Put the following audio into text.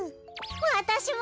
わたしも！